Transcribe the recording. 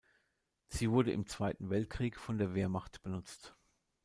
Sie wurde im Zweiten Weltkrieg von der Wehrmacht benutzt.